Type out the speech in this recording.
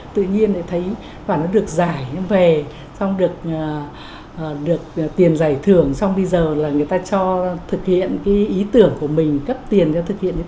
tự nhiên thì họ thấy và họ được giải về xong được tiền giải thưởng nên hoàn toàn là người ta cho nó thực hiện cái ý tưởng của mình cấp tiền cho nó thực hiện